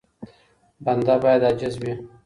بنده بايد عاجز وي.